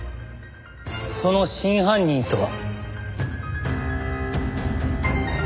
その真犯人とは？